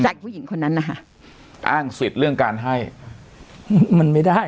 ผู้หญิงคนนั้นนะคะอ้างสิทธิ์เรื่องการให้มันไม่ได้